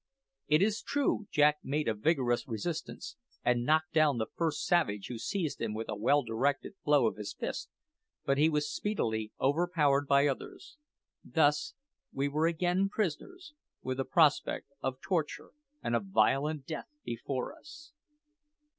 It is true Jack made a vigorous resistance, and knocked down the first savage who seized him with a well directed blow of his fist, but he was speedily overpowered by others. Thus we were again prisoners, with the prospect of torture and a violent death before us.